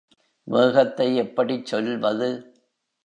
வேகத்தை எப்படிச் சொல்வது?